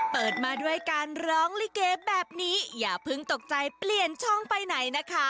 เปิดมาด้วยการร้องลิเกแบบนี้อย่าเพิ่งตกใจเปลี่ยนช่องไปไหนนะคะ